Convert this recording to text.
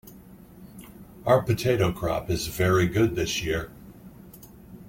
Our potato crop is very good this year.